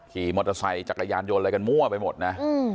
ขี่มอเตอร์ไซค์จักรยานยนต์อะไรกันมั่วไปหมดนะ